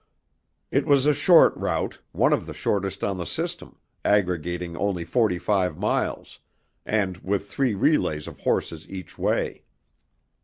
It was a short route, one of the shortest on the system, aggregating only forty five miles, and with three relays of horses each way.